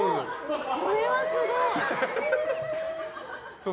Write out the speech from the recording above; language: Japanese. これはすごい。